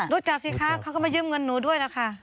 รู้จักสิคะเขาก็มายืมเงินหนูด้วยแล้วค่ะ